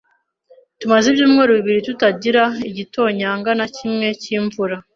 Tumaze ibyumweru bibiri tutagira igitonyanga na kimwe cyimvura.